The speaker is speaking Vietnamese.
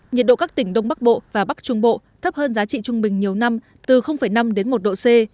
nhiệt độ các tỉnh đông bắc bộ và bắc trung bộ thấp hơn giá trị trung bình nhiều năm từ năm đến một độ c